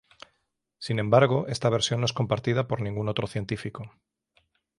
Sin embargo, esta versión no es compartida por ningún otro científico.